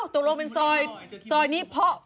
ตกลงเป็นซอยนี้เพราะ